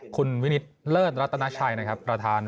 คุณวินิตเลิศรัตนาชัยนะครับประธาน